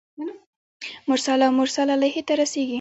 مرسل او مرسل الیه ته رسیږي.